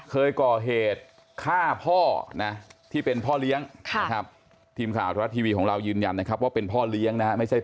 เคยก่อเหตุฆ่าพ่อที่เป็นพ่อเลี้ยง